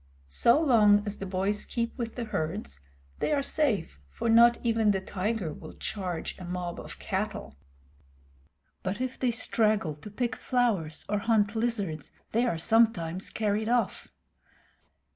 So long as the boys keep with the herds they are safe, for not even the tiger will charge a mob of cattle. But if they straggle to pick flowers or hunt lizards, they are sometimes carried off.